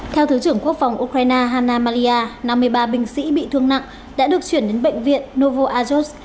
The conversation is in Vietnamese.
theo thứ trưởng quốc phòng ukraine hanna malia năm mươi ba binh sĩ bị thương nặng đã được chuyển đến bệnh viện novo ajust